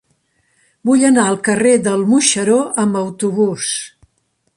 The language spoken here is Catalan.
Vull anar al carrer del Moixeró amb autobús.